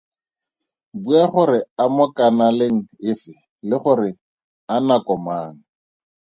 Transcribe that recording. Bua gore a mo kanaleng efe le gore a nako mang?